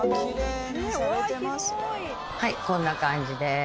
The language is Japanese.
はいこんな感じです。